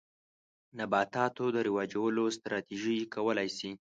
نباتاتو د رواجولو ستراتیژۍ کولای شي.